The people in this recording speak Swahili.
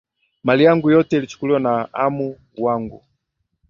Mali yangu yote ilichukuliwa na amu wangu